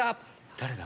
誰だ？